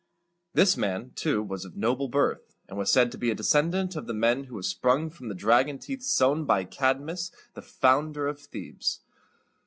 This man, too, was of noble birth, and was said to be a descendant of the men who had sprung from the dragon teeth sown by Cadmus, the founder of Thebes.